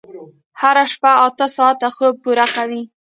هره شپه اته ساعته خوب پوره کوئ.